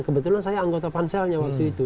kebetulan saya anggota panselnya waktu itu